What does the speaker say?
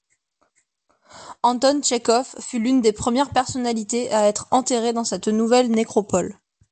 Anton Tchekhov fut l'une des premières personnalités à être enterré dans cette nouvelle nécropole.